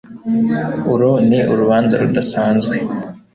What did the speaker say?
Uru ni urubanza rudasanzwe